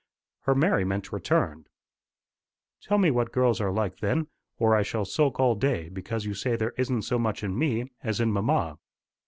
Her merriment returned. "Tell me what girls are like, then, or I shall sulk all day because you say there isn't so much in me as in mamma."